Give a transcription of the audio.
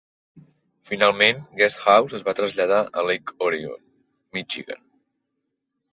Finalment, Guest House es va traslladar a Lake Orion, Michigan.